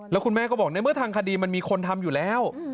แล้วคุณแม่ก็บอกในเมื่อทางคดีมันมีคนทำอยู่แล้ว